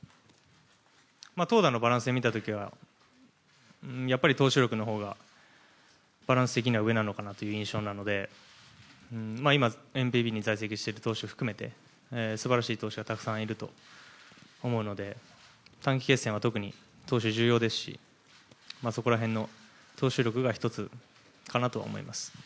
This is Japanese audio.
投打のバランスで見た時はやっぱり投手力のほうがバランス的には上なのかなという印象なので今、在籍している投手を含めて素晴らしい投手がたくさんいると思うので短期決戦は特に投手、重要ですしそこら辺の投手力が１つかなと思います。